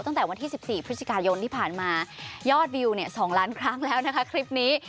ตั้งแต่วันที่๑๔พฤศจิกายนที่ผ่านมายอดวิวเนี่ย๒ล้านครั้งแล้วนะคะคลิปนี้